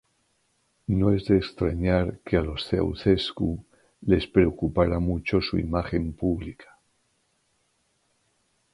No es de extrañar que a los Ceauşescu les preocupara mucho su imagen pública.